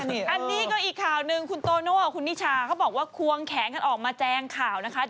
อันนี้ก็อีกข่าวหนึ่งคุณโตโน่คุณนิชาเขาบอกว่าควงแขนกันออกมาแจงข่าวนะคะ